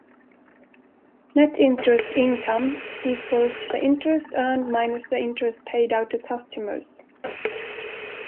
Net interest income equals the interest earned minus the interest paid out to customers.